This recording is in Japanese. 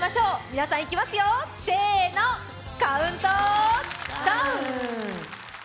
皆さんいきますよ、せーの、カウントダウン！